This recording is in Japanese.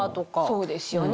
そうですよね。